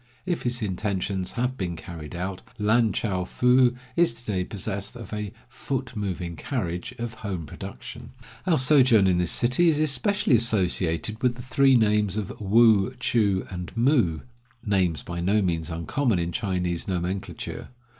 If his intentions have been carried out, Lan chou foo is to day possessed of a "foot moving carriage" of home production. Our sojourn in this city is especially associated with the three names of Woo, Choo, and Moo — names by no means uncommon in Chinese nomenclature.